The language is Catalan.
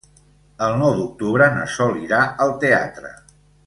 El nou d'octubre na Sol irà al teatre.